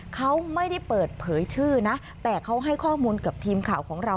เขาไม่ได้เปิดเผยชื่อนะแต่เขาให้ข้อมูลกับทีมข่าวของเรา